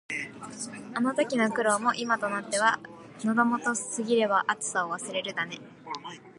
あの時の苦労も、今となっては「喉元過ぎれば熱さを忘れる」だね。